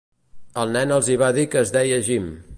El nen els hi va dir que es deia Jim.